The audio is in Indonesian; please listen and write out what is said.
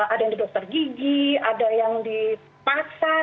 ada yang di dokter gigi ada yang di pasar